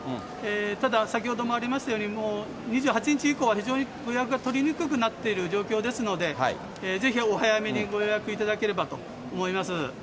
ただ先ほどもありましたように、もう２８日以降は非常に予約が取りにくくなっている状況ですので、ぜひお早めにご予約いただければと思います。